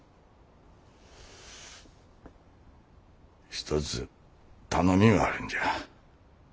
一つ頼みがあるんじゃ。